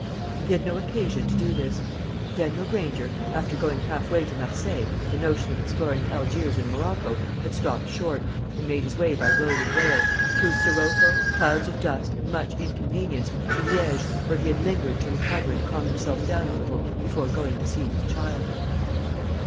He had no occasion to do this. Daniel Granger, after going half way to Marseilles, with a notion of exploring Algiers and Morocco, had stopped short, and made his way by road and rail through sirocco, clouds of dust, and much inconvenience to Liége, where he had lingered to recover and calm himself down a little before going to see his child.